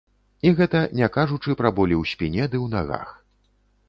І гэта не кажучы пра болі ў спіне ды ў нагах.